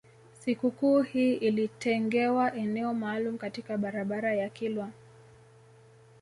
Sikukuu hii ilitengewa eneo maalum katika barabara ya kilwa